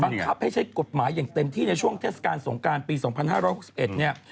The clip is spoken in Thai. ให้ใช้กฎหมายอย่างเต็มที่ในช่วงเทศกาลสงการปี๒๕๖๑เนี่ย